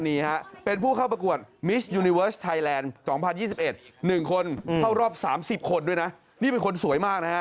นี่เป็นคนสวยมากนะครับ